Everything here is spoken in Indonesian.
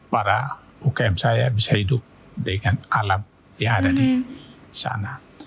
para ukm saya bisa hidup dengan alam yang ada di sana